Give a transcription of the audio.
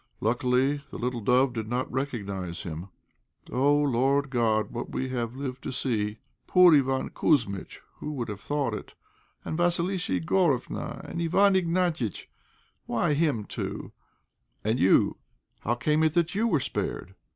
Luckily the little dove did not recognize him. O, Lord God! what have we lived to see! Poor Iván Kouzmitch! who would have thought it! And Vassilissa Igorofna and Iwán Ignatiitch! Why him too? And you, how came it that you were spared?